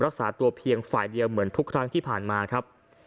รักษาตัวเพียงฝ่ายเดียวเหมือนทุกครั้งที่ผ่านมาครับ